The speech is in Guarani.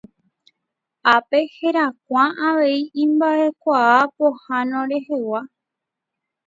ápe herakuã avei imba'ekuaa pohãno rehegua